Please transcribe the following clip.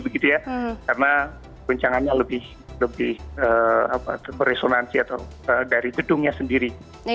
karena goncangannya lebih beresonansi dari gedungnya sendiri